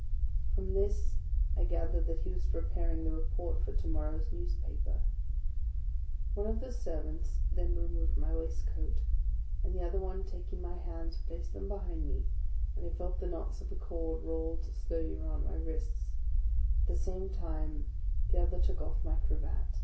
From this I gathered that he was preparing the Report for to morrow's newspaper. One of the servants then removed my waistcoat, and the other o le taking my hands, placed them behind me, and I felt the knots of a cord rolled slowly round my wrists; at the same time the other took off my cravat.